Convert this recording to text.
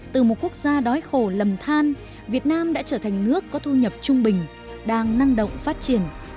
từ một quốc gia đói khổ lầm than việt nam đã trở thành nước có thu nhập trung bình đang năng động phát triển